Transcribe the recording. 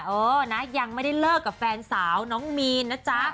เออนี้น่ะนะยังไม่หยุดมาเลิกกับแฟนสาวน้องมีนนะจ๊ะ